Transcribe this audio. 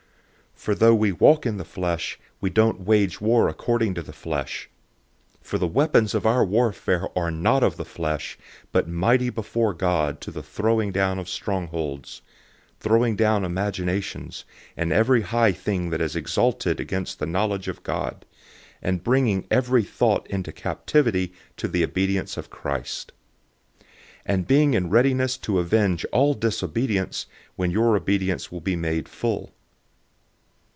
010:003 For though we walk in the flesh, we don't wage war according to the flesh; 010:004 for the weapons of our warfare are not of the flesh, but mighty before God to the throwing down of strongholds, 010:005 throwing down imaginations and every high thing that is exalted against the knowledge of God, and bringing every thought into captivity to the obedience of Christ; 010:006 and being in readiness to avenge all disobedience, when your obedience will be made full.